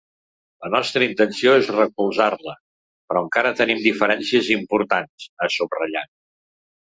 “La nostra intenció és recolzar-la però encara tenim diferències importants”, ha subratllat.